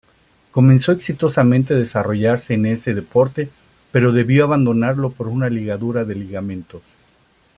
Comenzó exitosamente desarrollarse en ese deporte pero debió abandonarlo por una ligadura de ligamentos.